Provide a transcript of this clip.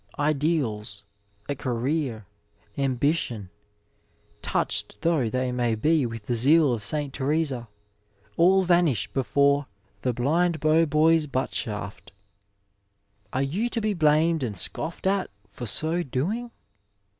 Ideals, a career, ambition, touched though they be with the zeal of St. Theresa, all vanish before " the blind bow boy's butt shaft." Are you to be blamed and scoffed at for so doing